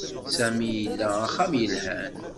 Sami ila axxam yelhan.